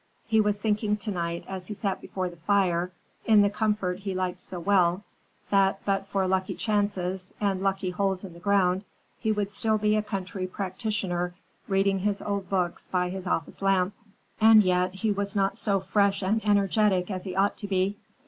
He was thinking tonight as he sat before the fire, in the comfort he liked so well, that but for lucky chances, and lucky holes in the ground, he would still be a country practitioner, reading his old books by his office lamp. And yet, he was not so fresh and energetic as he ought to be.